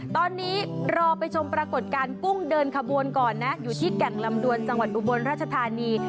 ตอนนี้รอไปชมปรากฏการณ์กุ้งเดินขบวนก่อนนะอยู่ที่แก่งลำดวนจังหวัดอุบลราชธานี